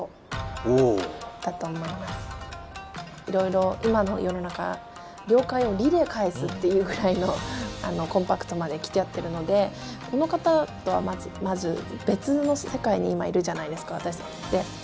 いろいろ今の世の中「了解」を「り」で返すっていうくらいのあのコンパクトまで来ちゃってるのでこの方とはまず別の世界に今いるじゃないですか私たちって。